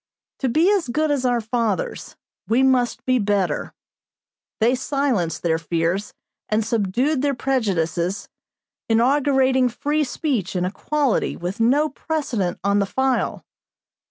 To be as good as our fathers, we must be better. They silenced their fears and subdued their prejudices, inaugurating free speech and equality with no precedent on the file.